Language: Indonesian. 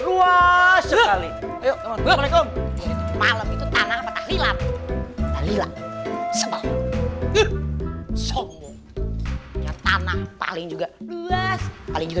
yuk assalamualaikum malam itu tanah apa tahlilat tahlilat sebaliknya tanah paling juga luas paling juga